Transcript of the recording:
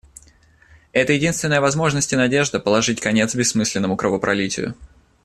Это единственная возможность и надежда положить конец бессмысленному кровопролитию.